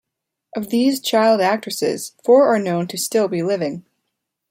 Of these child actresses, four are known to still be living.